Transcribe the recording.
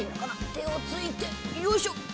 てをついてよいしょ！